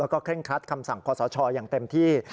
ก็เคร่งคลัดคำสั่งครอบครัวชรอย่างเต็มที่